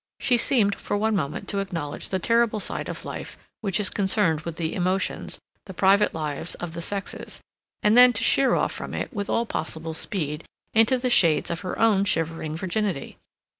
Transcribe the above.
She seemed for one moment to acknowledge the terrible side of life which is concerned with the emotions, the private lives, of the sexes, and then to sheer off from it with all possible speed into the shades of her own shivering virginity.